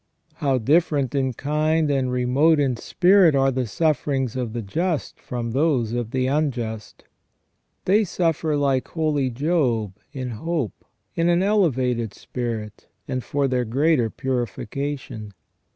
How different in kind and remote in spirit are the sufferings of the just from those of the unjust. They suffer like holy Job, in hope, in an elevated spirit, and for their greater purification.